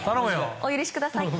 お許しください。